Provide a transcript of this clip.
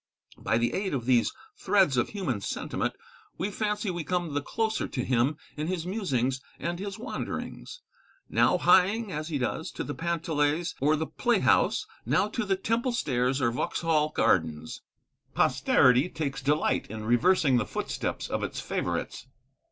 By the aid of these threads of human sentiment we fancy we come the closer to him in his musings and his wanderings, now hieing, as he does, to the pantiles or the playhouse, now to the Temple Stairs or Vauxhall Gardens. Posterity takes delight in reversing the footsteps of its favourites.